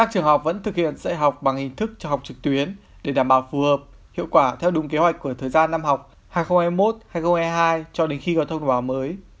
ba trường học vẫn thực hiện dạy học bằng hình thức cho học trực tuyến để đảm bảo phù hợp hiệu quả theo đúng kế hoạch của thời gian năm học hai nghìn hai mươi một hai nghìn hai mươi hai cho đến khi có thông vào mới